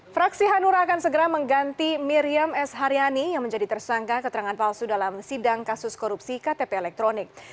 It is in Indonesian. fraksi hanura akan segera mengganti miriam s haryani yang menjadi tersangka keterangan palsu dalam sidang kasus korupsi ktp elektronik